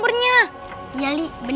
kenapa nyalain gue